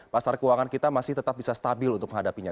pasar keuangan kita masih tetap bisa stabil untuk menghadapinya